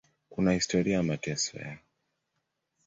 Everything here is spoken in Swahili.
Kuna historia ya mateso yao.